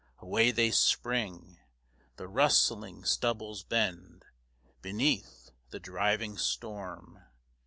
Away they spring. The rustling stubbles bend Beneath the driving storm.